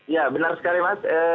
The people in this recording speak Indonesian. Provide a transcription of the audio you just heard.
ya benar sekali mas